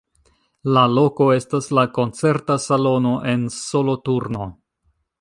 La loko estas la koncerta salono en Soloturno.